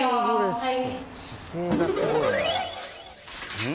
はい。